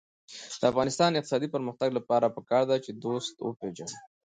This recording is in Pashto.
د افغانستان د اقتصادي پرمختګ لپاره پکار ده چې دوست وپېژنو.